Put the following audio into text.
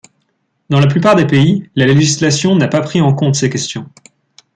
Dans la plupart des pays, la législation n'a pas pris en compte ces questions.